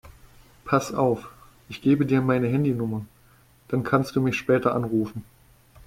Pass auf, ich gebe dir meine Handynummer, dann kannst du mich später anrufen.